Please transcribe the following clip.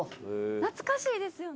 懐かしいですよね。